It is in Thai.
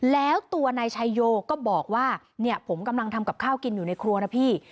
แล้วตัวนายชายโยก็บอกว่าเนี่ยผมกำลังทำกับข้าวกินอยู่ในครัวนะพี่